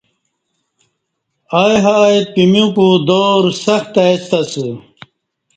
آی ہای پمیوکو دور سخت ای ستہ اسہ